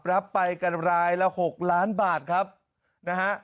รับไปกันรายละ๖ล้านบาทครับนะฮะ